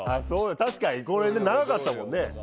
確かにこの辺、長かったもんね。